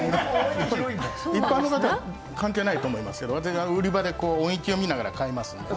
一般の方は関係ないと思いますけど、私は売り場で音域を見ながら買いますので。